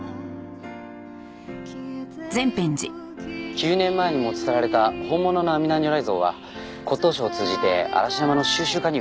９年前に持ち去られた本物の阿弥陀如来像は骨董商を通じて嵐山の収集家に売られていました。